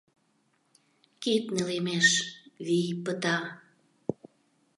Кид нелемеш... вий пыта...